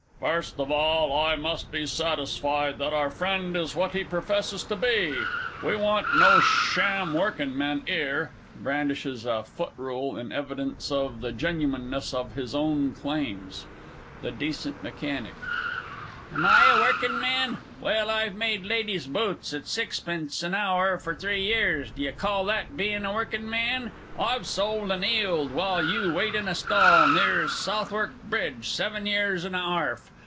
"_) First of all, I must be satisfied that our Friend is what he professes to be. We want no Sham Workin' men 'ere. [Brandishes a foot rule in evidence of the genuineness of his own claims. THE D. M. Am I a workin' man? Well, I've made ladies' boots at sixpence an hour for three years d'ye call that bein' a Workin' Man? I've soled and 'eeled while you wait in a stall near Southwark Bridge seven years an' a arf!